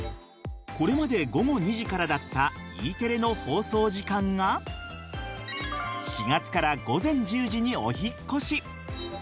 これまで午後２時からだったＥテレの放送時間が４月から午前１０時にお引っ越し。